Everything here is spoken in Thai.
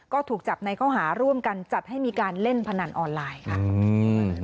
ก็ถูกจับในข้อหาร่วมกันจัดให้มีการเล่นพนันออนไลน์ค่ะอืม